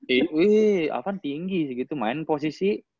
iwi avan tinggi gitu main posisi